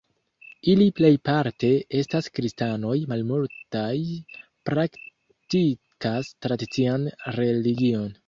Ili plejparte estas kristanoj, malmultaj praktikas tradician religion.